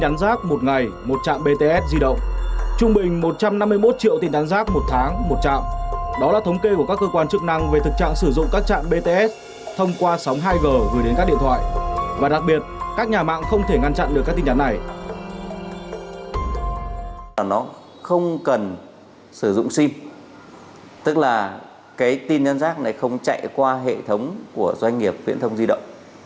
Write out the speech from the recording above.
nó không cần sử dụng sim tức là cái tin nhắn rác này không chạy qua hệ thống của doanh nghiệp viễn thông di động